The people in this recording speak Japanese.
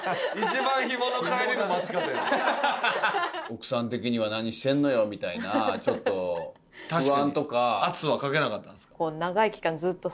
奥さん的には「何してんのよ」みたいなちょっと不安とか圧はかけなかったんですか？